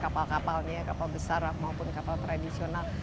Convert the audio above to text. kapal kapalnya kapal besar maupun kapal tradisional